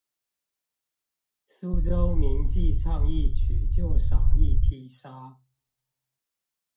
蘇州名妓唱一曲就賞一匹紗